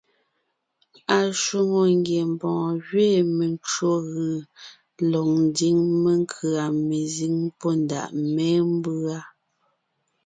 Ashwòŋo ngiembɔɔn gẅiin mencwò gʉ̀ lɔg ńdiŋ menkʉ̀a mezíŋ pɔ́ ndàʼ mémbʉa.